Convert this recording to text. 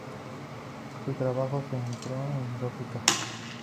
Su trabajo se centró en la lógica.